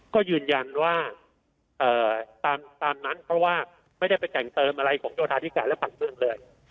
ก็ยืนยันว่าตามนั้นเพราะว่าไม่ได้ไปแต่งเติมอะไรของโยธาธิการและฝั่งเมืองเลย